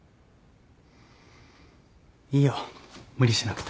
いいよ無理しなくて。